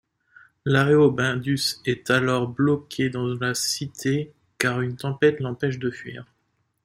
Aréobindus est alors bloqué dans la cité car une tempête l'empêche de fuir.